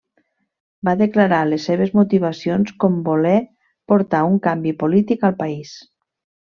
Va declarar les seves motivacions, com voler portar un canvi polític al país.